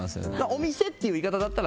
お店っていう言い方だったら。